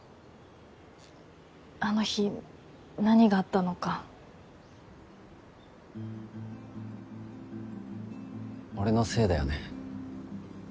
あの日何があったのか俺のせいだよね